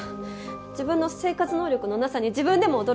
自分の生活能力のなさに自分でも驚きました。